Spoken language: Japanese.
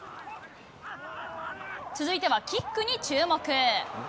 続いてはキックに注目。